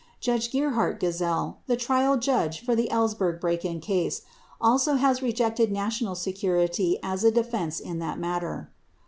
Judge Gerhard Gesell, the trial judge for the Ellsberg break in case, also has rejected national security as a defense in that matter.